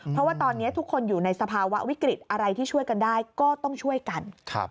เพราะว่าตอนนี้ทุกคนอยู่ในสภาวะวิกฤตอะไรที่ช่วยกันได้ก็ต้องช่วยกัน